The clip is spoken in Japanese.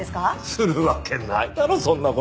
するわけないだろそんな事。